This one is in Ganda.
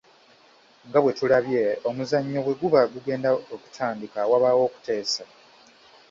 Nga bwe tulabye, omuzannyo bwe guba gugenda okutandika, wabaawo okuteesa.